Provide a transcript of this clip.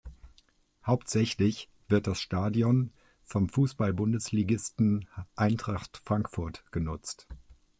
Hauptsächlich wird das Stadion vom Fußballbundesligisten Eintracht Frankfurt genutzt.